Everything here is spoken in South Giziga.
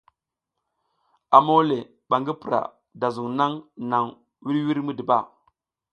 A mole ba ngi pura da zung nang nang vur vur midiba.